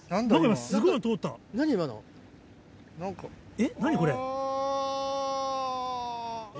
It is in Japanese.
えっ？